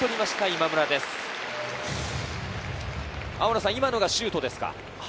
今のがシュートですか？